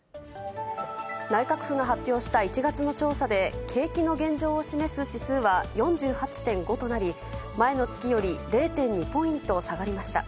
内閣府が発表した１月の調査で、景気の現状を示す指数は４８．５となり、前の月より０．２ポイント下がりました。